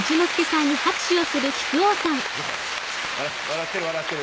笑ってる笑ってる。